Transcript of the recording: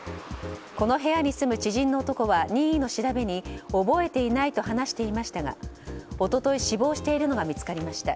この部屋に住む知人の男は任意の調べに覚えていないと話していましたが一昨日死亡しているのが見つかりました。